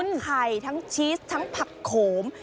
ไข่ทั้งชีสทั้งผักโขม